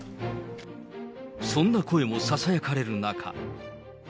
そんな声もささやかれる中。